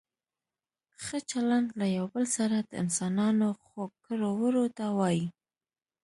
ښه چلند له یو بل سره د انسانانو ښو کړو وړو ته وايي.